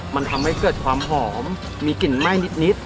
มันทำให้เกิดความหอมมีกลิ่นไหม้นิด